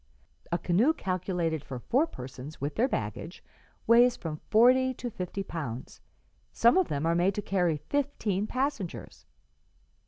A canoe calculated for four persons, with their baggage, weighs from forty to fifty pounds; some of them are made to carry fifteen passengers.'